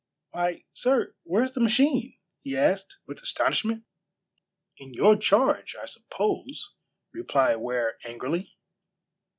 "Why, sir, where's the machine?" he asked, with astonishment. "In your charge, I suppose," replied Ware angrily.